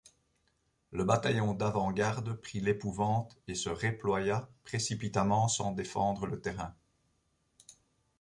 Le bataillon d'avant-garde prit l'épouvante, et se reploya précipitamment sans défendre le terrain.